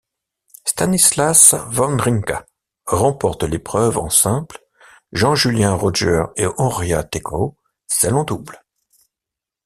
Stanislas Wawrinka remporte l'épreuve en simple, Jean-Julien Rojer et Horia Tecău celle en double.